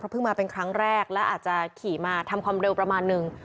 เพิ่งมาเป็นครั้งแรกและอาจจะขี่มาทำความเร็วประมาณนึง